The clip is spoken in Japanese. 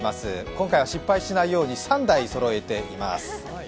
今回は失敗しないように３台そろえています。